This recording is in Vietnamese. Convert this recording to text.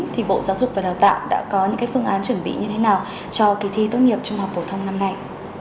thì bộ giáo dục và đào tạo đã có những phương án chuẩn bị như thế nào cho kỳ thi tốt nghiệp trung học phổ thông năm nay